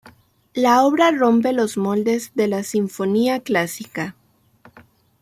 La obra rompe los moldes de la sinfonía clásica.